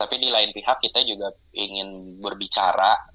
tapi di lain pihak kita juga ingin berbicara